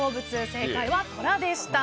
正解はトラでした。